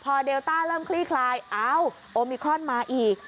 พอเดลต้าเริ่มคลี่คลายเอ้าโอมิครอนมาอีก